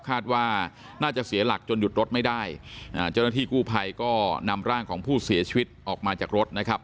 คาดว่าน่าจะเสียหลักจนหยุดรถไม่ได้อ่าเจ้าหน้าที่กู้ภัยก็นำร่างของผู้เสียชีวิตออกมาจากรถนะครับ